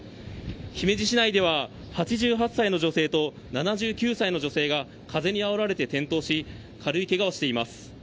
姫路市内では、８８歳の女性と７９歳の女性が風にあおられて転倒し軽いけがをしています。